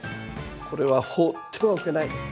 これは放ってはおけない。